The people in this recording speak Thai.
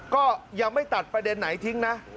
ก็ยังไม่ตัดประเด็นไหนทิ้งนะ